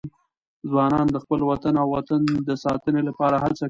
ځوانان د خپل دین او وطن د ساتنې لپاره هڅه کوي.